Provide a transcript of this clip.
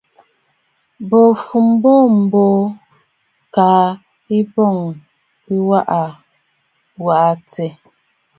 Bo fu mboo mboo, kaa ɨ̀bɔ̀ŋ ɨ waʼa waa tiʼì.